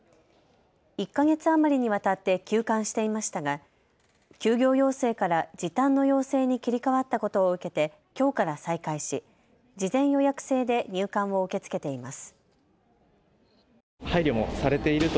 １か月余りにわたって休館していましたが休業要請から時短の要請に切り替わったことを受けてきょうから再開し事前予約制で入館を受け付けています。